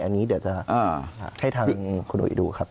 อันนี้เดี๋ยวจะให้ทางคุณอุ๋ยดูครับ